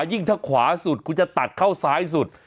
ยิ่งถ้าขวาสุดคุณจะตัดเข้าซ้ายสุด